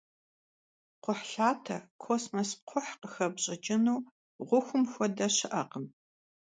Kxhuhlhate, kosmos kxhuh khıxepş'ıç'ınu ğuxum xuede şı'ekhım.